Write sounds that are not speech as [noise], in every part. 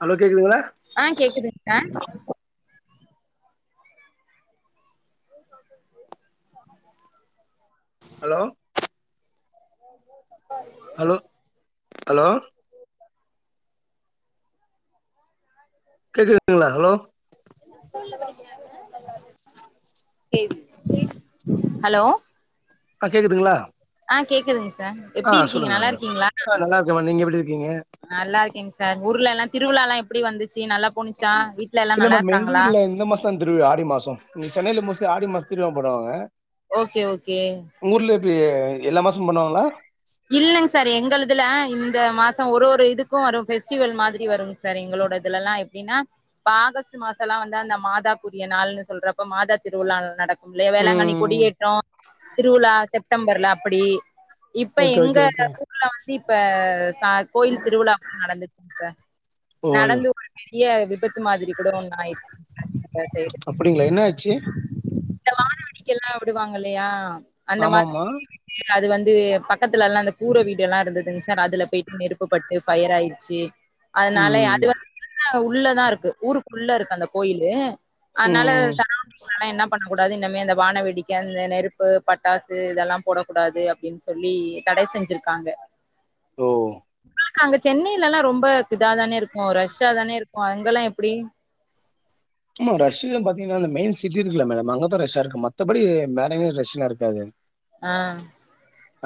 Hello கேக்குதுங்ளா ஆ கேக்குதுங்க சார் ஹலோ [unintelligible] ஹலோ ஹலோ கேக்குதுங்ளா ஹலோ எந்த ஸ்கூல்ல படிக்கறாங்க எல்லாரு கே கே ஹலோ அ கேக்குதுங்க்ளா? ஆ கேக்குதுங்க சார். எப்டி இருக்கீங்க? நல்லா மேம் இருக்கீங்ளா? ஆ நல்லா இருக்கேன் நீங்க எப்படி இருக்கீங்க நல்லா இருக்கேங் சார் ஊருல எல்லா திருவிழா எல்லா எப்படி வந்துச்சு? நல்லா பொணிச்சா? வீட்ல எல்லா நல்லா இருக்காங்களா? தன் திருவிழா ஆடி மாசொ. ம் சென்னைல மோஸ்ட்லி ஆடி மாசொ திருவிழா போடுவாங்க. ஓகே ஓகே உங்க ஊர்ல எப்டி எல்லா மாசமு பண்ணுவாங்ளா இல்லங் சார் எங்களுதுல இந்த மாச ஒரு ஒரு இதுக்கு ஒரு ஃபெஸ்டிவல் மாதிரி வருங் ச சார் எங்களோட இதுலலா எப்டின்னா இப்ப ஆகஸ்ட் மாசலா வந்து அந்த மாதாக்குரிய நாள்னு சொல்றப்ப மாதா திருவிழா நடக் வேளாங்கண்ணி ம் கொடியேற்ற திருவிழா செப்டம்பர்ல அப்படி இப்ப ஓகே எங்க ஓகே ஓகே ஊர்ல வந்து இப்ப ச கோயில் திருவிழாக்கள் நடந்துட்ருக்கு சார் ஓய நடந்து ஒரு பெரிய விபத்து மாதிரி கூட ஒன்னு ஆயிடுச்சு சார் இந்த சைடு அப்படிங்களா என்ன ஆச்சு இந்த வான வேடிக்கைலா விடுவாங்க இல்லையா அந்த ஆமா மாதிரி ஆமா விட்டு அது வந்து ப பக்கத்துல லாம் அந்த கூற வீடு க்கத்துலல்லா அந்த கூர வீடெல்லா இருந்துதுங் சார் அதுல போயிட்டு நெருப்பு பட்டு ஃபயர் ஆயிருச்சு அதனால ம் அது வந்து உள்ளதா இருக்கு ஊருக்குள்ள இருக்கு அந்த கோயிலு அதனால ம் சரௌண்டிங் அதனால என்ன பண்ணக் கூடாது இன்னமே அந்த வான வேடிக்க அந்த நெருப்பு பட்டாசு இதெல்லா போடக்கூடாது அப்டின்னு சொல்லி இங்க தட செஞ்சிருக்காங்க ஓ உங்குளுக்கு அங்க சென்னைலலா ரொம்ப இதா தானே இருக் க்கு ரஷ்ஷா தானே இருக்கு அங்கெல்லா எப்புடி ஆமா ரஷ்ஷுன் பாத்திங்னா அந்த மெயின் சிட்டி இருக்குல்ல மேடம் அங்கதா ரஷ்ஷா இருக்கு மத்தபடி மேறெங்யு ரஷ்லா இருக்காது ஆ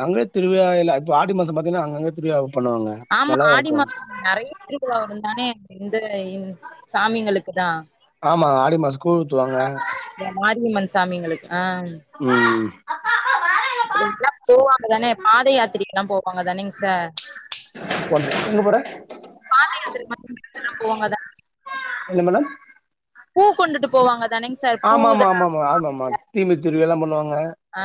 அங்கயு திருவிழா இல்ல இப்ப ஆடி மாசொ பாத்தீன்னா அங்கங்க திருவிழாவ பண்ணுவாங்க. ஆமா, நல்லாதான் ஆடி இருக்கும் மா.. நெறைய திருவிழா வருந்தானே இந்த இந் சாமிங்களுக்கு தான்? ஆமா, ஆடி மாசொ கூழ் ஊத்துவாங்க. ம மாரியம்மன் சாமிங்களுக்கு ஆ.. ம்.. இதுக்கெல்லா போவாங்க தானே? பாத யாத்திரைக்கெலா போவாங்க தானேங் சார்? இப்ப வந்தர்ற. எங்க போற? பாத யாத்திரை மாரி [unintelligible] எல்லா போவோ இல்ல? என்ன மேடம்? பூ கொண்டுட்டு போவாங்க. தானேங்க சார் பூ தா ஆமாமா ஆமாமா ஆமாமா தீமித் திருவிழா லாம் பண்ணுவாங்க. ஆ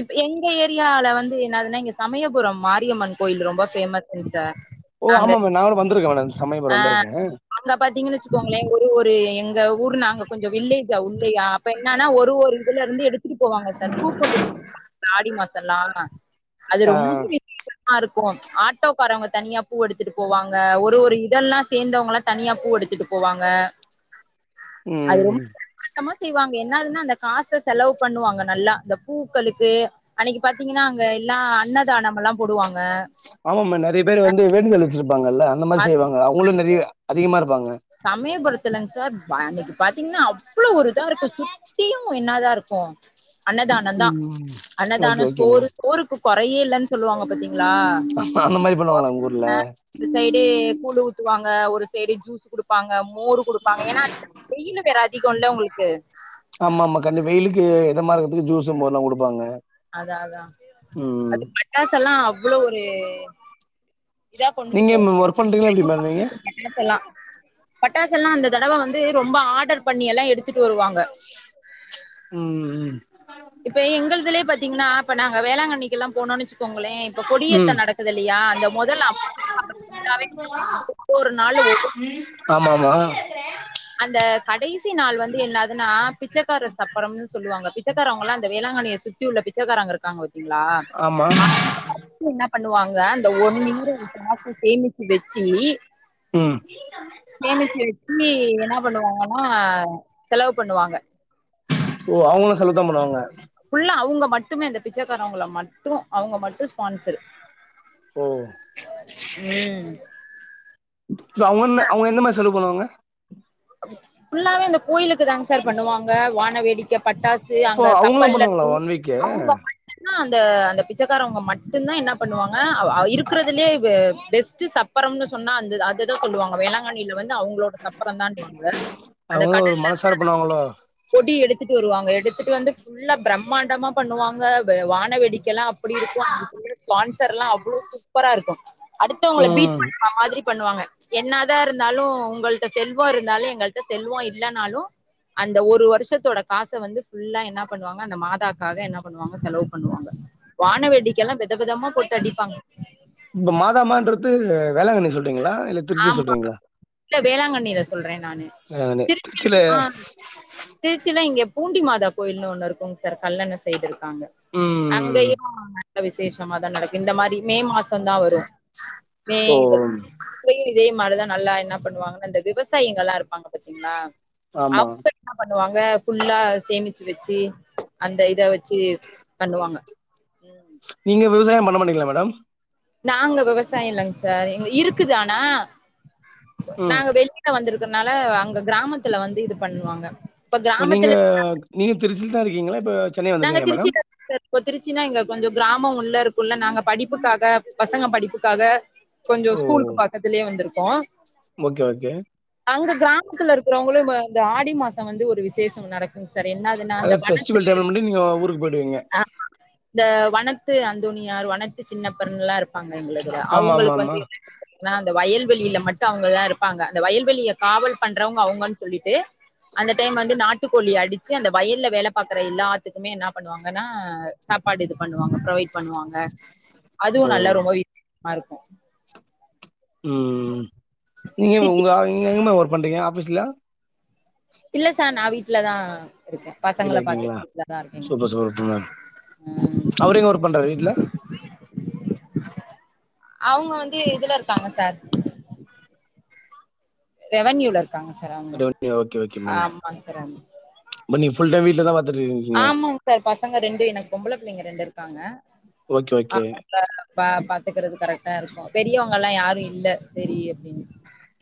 இப் எங்க ஏரியால வந்து என்னதுன்னா எங்க சமயபுரம் மாரியம்மன் கோயில் ரொம்ப பேமஸ். ஓ ஆமாமா நானு வந்துருக்கே மேடம் சமயபுறொ வந்துருக்கே. அங்க பாத்தீங்கனு வச்சுக்கோங்களே, ஒரு ஒரு.. எ எங்க ஊர் நாங்க கொஞ்சொ வில்லேஜ் உள்ளையா ப்ப என்னனா ஒரு ஒரு இதுல இருந்து எடுத்துட்டு போவாங்க சார். கொண்டு போ [inaudible] ஆடி மாசொ லாம அது ஆ ரொம்ப. [unintelligible] ஆருக்கூம் ஆட்டோ காரவங்க தனியா பூ எடுத்துட்டு போவாங்க ஒரு ஒரு இ.. எல்லா சேந்து அவங்க எல்லா தனியா பூ எடுத்துட்டு போவாங்க அது ரொம்.. ம் கம்மா செய்வாங்க என்னாதுன்னா அந்த காச செலவு பண்ணுவாங்க நல்லா, இந்த பூக்களுக்கு.. அன்னிக்கு பாத்தீங்கன்னா அங்க எல்லா அன்னதானம் எல்லாம்.. போடுவாங்க ஆமாம்மா நெறைய பேர் வந்து வேண்டுதல் வச்சிருப்பாங்கல்ல அந்த மாரி அது செய்ரவங்க அவங்களு நெறைய அதிகமா இருப்பாங்க. சமயபுலத்துலங் சார் பயங்க பாத்தீங்ன்னா அவ்ளொ ஒரு இதா இருக்கு சூப்.. த்தியும் என்னா தா இருக்கும்? அன்னதானந்தா ம் ஓகே அன்னதான ஓகே சோறு.. மேம் சோருக்கு கொறையே இல்லன் சொல்லுவாங்க பாத்தீங்ளா? அந்த மாரி ஓ பண்ணுவாங்களா உங்க ஊர்ல அ.. சைடு கூழு ஊத்துவாங்க ஒரு சைடு ஜூஸ் குடுப்பாங்க மோரு குடுப்பாங்க ஏன்னா வெயிலு வேற அதிகோல உங்களுக்கு ஆமா ஆமா கண்டிப்பா வெயிலுக்கு எதமா இருக்கறதுக்கு ஜூஸு மோர்லா குடுப்பாங்க அதா அதா ம் அது பட்டாஸ் எல்லா அவ்ளோ ஒரு இதா நீங்க என் ஒர்க் பண்றீங்க்ளா எப்படி மேம் நீங்க? இன் இப்பெல்லாம் பட்டாசெல்லா இந்த தடவ வந்து ரொம்ப ஆடர் பண்ணி எல்லா எடுத்துட்டு வருவாங்க. ம் ம்.. இப்ப எங்கள்துலே பாத்தீங்ன்னா இப்ப நாங்க வேளாங்கண்ணிக்கெல்லா போனோன் எச்சுக்கோங்களே இப்பொ.. கொடியத்த ம் நடக்குது இல்லையா அந்த மொதல் [unintelligible] ஃபுல்லாவே ஒரு நாள் ஒவ்வொ.. [inaudible] ஆமா ஆமா அந்த கடைசி நாள் வந்து என்னாதுன்னா பிச்சைக்கார சப்பரம்னு சொல்லுவாங்க. பிச்சைக்காரவங்கல்லா இந்த வேளாங்கண்ணிய சு.. இவ்ள பிச்சைக்காரங்க இருக்காங் பத்தீங்ளா? ஆமா அ.. என்ன பண்ணுவாங்க அந்த ஒன் ஈர காசு சேமிச்சு வெச்சி.. ம்.. சேமிச்சி வெச்சி என்னா பண்ணுவாங்கன்னா, செலவு பண்ணுவாங்க. ஓ அவங்களும் செலுத்தாம் பண்ணுவாங்க. ஃபுல்ல அவுங்க மட்டுமே அந்த பிச்சைக்காரவுங்கள மட்டு அவுங்க மட்டு பான்ஸ்சர் ஓ ம் இல்ல அவுங்க என்ன அவுங்க என்ன மாரி செலவு பண்ணுவாங்க ஃபுல்லாவே அந்த கோயிலுக்கு தாங் சார் பன்னுவாங்க வானவேடிக்க பட்டாஸ் சு இப்போ அங்க அவங்களும் கப்பல்ல பண்ணுவாங்களா இருந்து ஒன் வீக்கு அவுங்க அந்த அந்த பிச்சக்காரவங்க மட்டுந்தா என்ன பண்ணுவாங்க இருக்கறதுலே பெஸ்ட்டு சப்பரம்னு சொன்னா அந்த அதுதா சொல்லுவாங்க வேளாங்கண்ணியில வந்து அவுங்ளோட சப்பரந் தான்ட்டுவாங் க அந்த அவங்க ஒரு கடல்ல இருந்து மனசார அந்த கொடி பண்ணுவாங்களோ கொடி எடுத்துட்டு வருவாங்க எடுத்துட்டு வந்து ஃபுல்லா பிரம்மாண்டமா பண்ணுவாங்க வான வெடி க்கெல்லா அப்டி இருக்கு அந்த ஸ்பான்சர் எல்லா அவ்ளோ சூப்பர இருக்கு அடுத்தவங்கள பீட் ம் பண் ற மாதிரி பண்ணுவாங்க என்ன தா இருந்தாலு உங்கள்ட்ட செல்வோ இரு ந்தாலு எங்கள்ட்ட செல்வோ இல்லனாலு அந்த ஒரு வருஷத்தோட காச வந்து ஃபுல்லா என்ன பண்ணுவாங்க அந்த மாதாக்காக என்ன பண்ணுவாங்க செலவு பண்ணுவாங்க வான வேடிக்கல்லாம் வெதவெதமா போட்டு அடிப்பாங் இப்ப மாதாமன்றது வேளாங்கண்ணி சொல்றீங்களா இல்ல திருச்சி ஆமா சொல்றீங்களா இல்ல வேளாங்கண்ணியில சொல்ற நானு நானு திருச்சில திருச்சியில இங்க பூண்டி மாதா கோயில்னு ஒண்ணு இருக்குங்க சார் கல்லண சைடு இருக்காங்க ம் அங்கேயு நல்ல விசேஷமாதா நடக்கு இந்த மாரி மே மாசோ தா வரு மே ஓ அங்கயு இதே மாரிதா நல்லா என்ன பண்ணுவாங்கன்னா இந்த விவசாயிகள் எல்லா இருப்பாங்க பாத்தீங்களா ஆமா அவங்க என்ன பண்ணுவாங்க ஃபுல்லா சேமிச்சு வச்சி அந்த இத வச்சி பண்ணுவாங்க ம் நீங்க விவசாயம் பண்ண மாட்டீங்களா மேடம் நாங்க விவசாய இல்லங் சார் இருக்குது ஆனா ம் நாங்க வெ க்க வந்திருக்கனால அங்க கிராமத்துல வந்து இது பண்ணுவாங்க இப்ப நீங்க நீங்க திருச்சியில தா இருக்கீங்ளா இப்ப சென்னை நாங்க வந்துட்டீங்களா மேடம் திருச்சில [inaudible] இப்போ திருச்சின்னா இங்க கொஞ்சோ கிராமோ உள்ள இருக்குல்ல நாங்க படிப்புக்காக பசங்க படிப்புக்காக கொஞ்சோ ஓ ஸ்கூலுக்கு பக்கத்துலே வந்திருக்கோ ஓகே ஓகே அங்க கிராமத்துல இருக்கிறவங்களு இந்த ஆடி மாசோ வந்து ஒரு விசேஷோ நடக்கு சார் என்னதுன்னா அத அந்த மனசு ஃபெஸ்டிவல் டைம்ல மட்டு நீங்க ஊருக்கு போய்டுவீங்க இந்த வனத்து அந்தோனியார் வனத்து சின்னப்பெருங்கல்லா இருப்பாங்க எங்களுக் ஆமா ஆமா அவுங்களுக்கு ஆமா வந்து என்னன் ஏன்னா அந்த வயல்வெளியில மட்டு அவுங்கதா இருப்பாங்க அந்த வயல்வெளிய காவல் பண்றவங்க அவங்கன்னு சொல்லிட்டு அந்த டைம் வந்து நாட்டுக்கோழி அடிச்சு அந்த வயல்ல வேல பாக்குற எல்லாத் த்துக்குமே என்ன பண்ணுவாங்கன்னா சாப்பாடு இது பண்ணுவாங்க ப்ரொவைட் பண்ணுவாங்க அதுவு ஓ நல்லா ரொம்ப வித்தியசமா இருக்கு ம் நீங்க சிட்டி உங்க எங்க இங்க எங்கமா ஒர்க் பண்றீங்க ஆஃபீஸ்லா இல்ல சார் நா வீட்ல தா இருக்கே பசங்கள வீட்ல இருக்கீங்களா பார்த்துட்டு வீட்ல தா இருக்கேங்க சார் சூப்பர் சூப்பர் ம் அவரு எங்க ஒர்க் பண்றாரு வீட்ல அவுங்க வந்து இதுல இருக்காங்க சார் ரெவன்யூல இருக்காங்க சார் அவங்க ரெவன்யூ ஆமாங் சார் மா நீ ஃபுல் டே வீட்ல தா பாத்துட்டுருக்கீங் ஆமாங் சார் பசங்க ரெண்டு எனக்கு பொம்பள பிள்ளைங்க ரெண்டு இருக்காங்க ஓகே ஓகே அவங்ள பா பாத்துக்கறது கரெக்ட்டா இருக்கு பெரியவுங்க எல்லா யாரு இல்ல செரி அப்டின்னு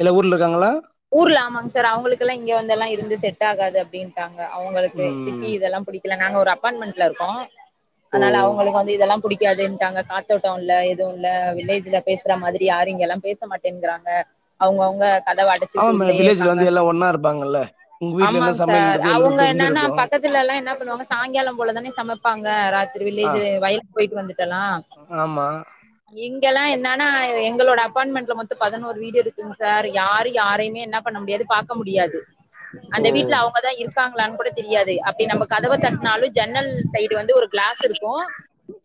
எல்லா ஊர்ல இருக்காங்ளா ஊர்ல ஆமாங்க சார் அவங்களுக்குல்லா இங்க வந்துல்லா இருந்து செட் ஆகாது அப்டின்ட்டாங்க அவங்களுக்கு ம் இதெல்லா புடிக்கல நாங்க ஒரு அபார்ட்மெண்ட்ல இருக்கோ ஓ அதனால அவங்களுக்கு வந்து இதெல்லா பிடிக்காதுன்ட்டாங்க தோட்டோ இல்ல எதுவு இல்ல வில்லேஜ்ல பேசுற மாதிரி யாரு இங்கல்லா பேச மாட்டேங்குறாங்க அவங்கவுங்க கதவ அடச் ஆமா வீட்டு மே உள்ளையே வில்லேஜ்ல இருக்காங்க வந்து எல்லா ஒன்னா இருப்பாங்கல்ல உங்க வீட்ல என்ன ஆமாங்க சார் சமையல்ன்றது அவுங்க எல்லாருக்கு என்னன்னா தெரிஞ்சிருக்கு பக்கத்துலல்லா என்ன பண்ணுவாங்க சாய்ங்காலோ போலதானே சமப்பாங்க ராத்திரி ஆ வில்லேஜு வயலுக்கு போய்ட்டு வந்துட்டல்லா ஆமா இங்கெல்லா என்னன்னா எங்களோட அப்பார்ண்ட்மெண்ட்ல மொத்தோ பதினோரு வீடு இருக்குங்க சார் யாரையு யாரையுமே என்ன பண்ண முடியாது பாக்க முடியாது ஓ அந்த வீட்ல அவுங்க தா இருக் இருக்காங்களானு கூட தெரியாது அப்டி நம்ம கதவ தட்னாலு ஜன்னல் சைடு வந்து ஒரு கிளாஸ் இருக்கு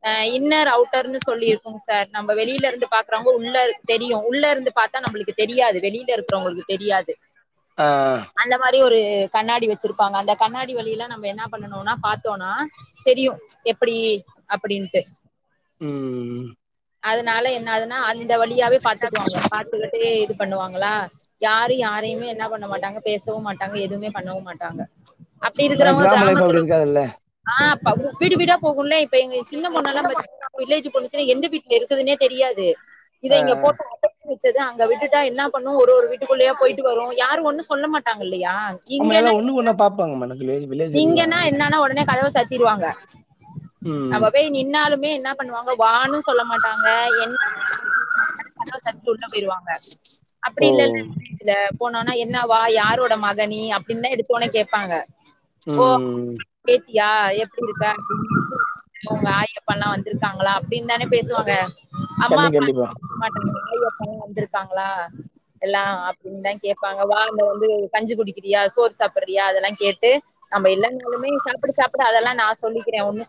அஹ் இன்னர் அவுட்டர்ன்னு சொல்லி இருக்குங்க சார் நம்ம வெளியில இருந்து பாக்ரவுங்க உள்ள தெரியு உள்ள இருந்து பாத்தா நம்மளுக்கு தெரியாது வெளியில இருக்கிறவங்களுக்கு தெரியாது ஆஹ் அந்த மாரி ஒரு கண்ணாடி வச்சிருப்பாங்க அந்த கண்ணாடி வழியில நம்ம என்ன பண்ணனும்னா பாத்தோனா தெரியு எப்புடி அப்டின்ட்டு ம் அதனால என்ன ஆதுன்னா அந்த வழியாவே பாத்துக்குவாங்க பாத்துக்கிட்டு இது பண்ணுவாங்க ளா யாரு யாரயு என்ன பண்ண மாட்டாங்க பேசவு மாட்டாங்க எதுவுமே பண்ணவு மாட்டாங்க அப்டி ஆனா இருக்கிறவங்க கிராம லைஃப் கிராமத்துல அப்டி இருக்காதுல்ல ஆ அப்ப வீடு வீடா போகுல்ல இப்ப எங்க சின்ன பொண்ணல்லா பாத்தீங்கன்னா வில்லேஜ் பொண்ணு எந்த வீட்ல இருக்குதுன்னே தெரியாது இத ஆ இங்க போட்டு அடச்சி வச்சது அங்க விட்டுட்டா என்ன பண்ணு ஒரு ஒரு வீட்டுக்குள்ளேயா போய்ட்டு வரு யாரு ஒண்ணு சொல்ல மாட்டாங்க இல்லையா ஆமா எல்லா இங்கன்னா ஒண்ணுக்கு ஒன்னா பாப்பாங்க மேடம் வில்லேஜ் வில்லேஜ்லல்லா நீங்கன்னா என்னன்னா உடனே கதவ சாத்திருவாங்க ம் நம்ம போய் நின்னாலுமே என்னா பண்ணுவாங்க வான்னு சொல்ல மாட்டாங்க என்ன [inaudible] கதவ சாத்திட்டு உள்ள போய்ருவாங்க அப்டி ஓ இல்லல்ல இல்ல போனோனே என்ன வா யாரோட மக நீ அப்டின்னுதா எடுத்தோனே கேப்பாங்க ஓ ம் பேத்தியா எப்டி இருக்கா அப்டின்னு கேட்டு உங்க ஆயி அப்பன்லா வந் துருக்காங்களா அப்டின்தான பேசுவாங்க அம்மா கண்டி அப்பா கண்டிப்பா [unintelligible] ஆயூ அப்பன் வந்துருக்காங்களா எல்லா அப்டின்தா கேப் ப்பாங்க வா இங்க வந்து கஞ்சி குடிக்கிறியா சோறு சாப்புடறியா அதெல்லா கேட்டு நம்ப இல்லனாலுமே சாப்புடு சாப்புடு அதல்லா நா சொல்லிக்கிறே ஒண்ணு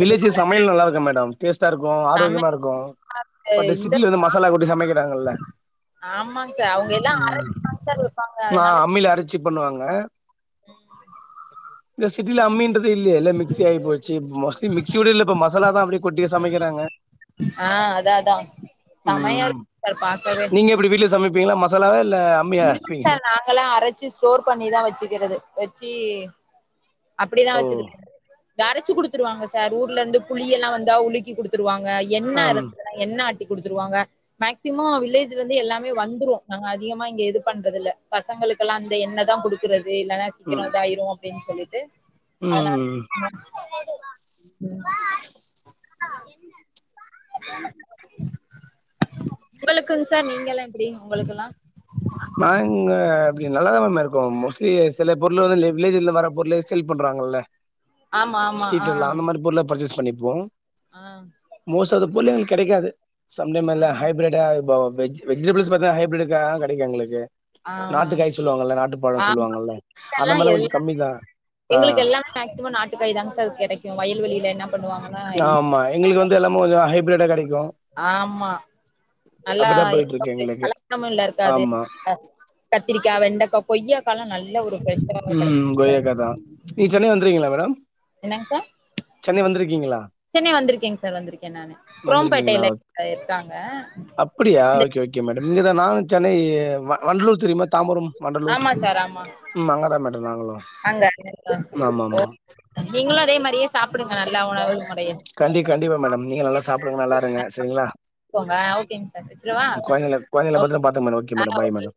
வில்லேஜ்ல சமயல் நல்லாருக்கோ மேடம் டேஸ்ட்டாருக்கோ தமிழ் ஆரோக்யமாருக்கோ பட் இந்த சிட்டில வந்து மசாலா கொட்டி சமக்கிறாங்கல்ல ஆமாங் சார் அவுங்க எல்லா அரச்சுதாங் சார் விப்பாங்க அதனால ச்சி பண்ணுவாங்க இந்த சிட்டில அம்மின்ற து இல்லியே எல்லா மிக்ஸி ஆய்ப் போச்சி இப் மோஸ்லி மிக்ஸி கூட இல்ல இப்ப மசாலா தா அப்டே கொட்டியே சமக்கிறாங்க ஆ அதா அதா சமையா ம் [inaudible] பாக்கவே நீங்க எப்டி வீட்ல சமப்பீங்ளா மசாலாவா இல்ல அம்மியா அரைப்பீங்களா [unintelligible] நாங்கல்லா அரச்சு ஸ்டோர் பண்ணிதா வெச்சுக்கறது வெச்சு அப்டிதா ஓ வச்சுக்கறது அரச்சு குடுத்துருவாங்க சார் ஊர்லருந்து புளியெல்லா வந்தா உலுக்கி குடுத்துருவாங்க எண்ணெ அம் இருந்ததுன்னா எண்ணெ ஆட்டி குடுத்துருவாங்க மேக்சிமொ வில்லேஜ்லருந்து எல்லாமே வந்துரூ நாங்க அதிகமா இங்க இது பண்றது இல்ல பசங்களுக்கெல்லா அந்த எண்ணெதா குடுக்குறது இல்லன்னா சீக்கிரொ ம் இதாயிரு அப்டின்னு சொல்லிட்டு அதனால ம் ம் உங்களுக்குங் சார் நீங்கல்லா எப்டி உங்களுக்கெல்லா நாங்க அப்டியே நல்லாதா மேம் இருக்கோ மோஸ்ட்லி செல பொர்ளு வந்து வில்லேஜில்ல வர பொர்ளு செல் பண்றாங்கல்ல ஆமா ஆமா ஆ ஸ்ட்ரீட்லல்லா அந்த மாரி பொர்ள பர்ச்சேஸ் பண்ணிப்போ ஆ மோஸ்ட் அத ள்ளே அங் கெடைக்காது சம்டைம் அத்ல ஆ ஹைப்ரெட்டு‌ ஆ போ வெஜ் வெஜிடபுள்ஸ் பாத்தா ஹைப்ரிட்டு கா டிக் எங்களுக்கு ஆ நாட்டுக் காய் சொல்லுவாங்கல்ல நாட்டுப் பழோ ஆமா சொல்லுவாங்கல்ல அந்த மார்லா கொஞ்சொ கம்மிதா எங்குளுக்கு எல்லாமே மேக்சிமோ நாட்டுக்காய் தாங்க சார் கெடைக்கு வயல்வெளில இன்னா பண்வாங் பண்ணுவாங்க ஆமா எங்குளுக்கு வந்து எல்லாமே கொஞ்சோ ஹைப்ரெட்டா கெடைக்கோ ஆமா நல்லா போயிட்டு எந்த இருக்கு ஒரு எங்களுக்கு கலப்டமு இதுல இருக்காது ஆமா அ கத்திரிக்கா வெண்டக்கா கொய்யாக்காலா நல்ல ஒரு ஃப்ரெஷ் ம் கொய்யக்கா தா நீ சென்னை வந்ருக்கிங்ளா மேடம் என்னங்க சார் சென்னை வந்துருக்கிங்ளா சென்னை வந்துருக்கேங் சார் வந்துருக்கே நானு வந்திருக்கீங்களா க்ரோம்பேட்டைய்ல இருக்காங்க அப்புடியா இந்த ஓக்கே ஓக்கே மேடம் இங்கேதா நானு சென்னை வ வண்டலூர் தெரியுமா தாம்பரம் வண்டலூர் ஆமா சார் ஆமா ம் அங்கதா மேடம் நாங்களு அங்க ஆமா ஆமா நீங்களு அதே மாரியே சாப்புடுங்க நல்லா உணவு முறைய கண்டி கண்டிப்பா மேடம் நீங்க நல்லா ஸ் சாப்டுங்க நல்லாருங்க செரிங்ளா போங்க ஓகேங்க சார் வச்சிடவா உங் கொழந்திங்ள கொழ்ந்திங்ள ஓகே பத்தரமா பாத்துங் மேடம் ஓக்கே ஆ மேடம் பாய் ஓகே மேடம்